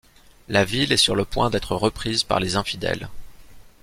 La ville est sur le point d'être reprise par les Infidèle.